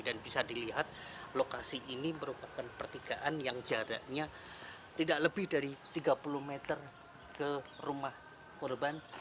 dan bisa dilihat lokasi ini merupakan pertigaan yang jaraknya tidak lebih dari tiga puluh meter ke rumah korban